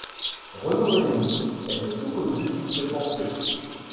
Rolland Hénault est surtout connu pour ses pamphlets.